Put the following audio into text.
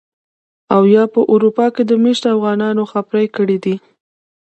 او يا په اروپا کې مېشتو افغانانو خپرې کړي دي.